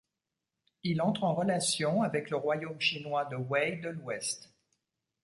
Il entre en relation avec le royaume chinois de Wei de l’Ouest.